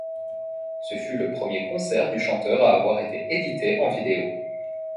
Ce fut le premier concert du chanteur à avoir été édité en vidéo.